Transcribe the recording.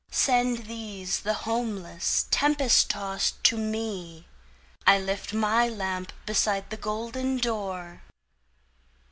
Send these, the homeless, tempest tost to me,I lift my lamp beside the golden door!"